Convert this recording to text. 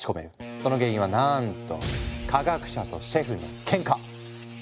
その原因はなんと科学者とシェフのケンカ。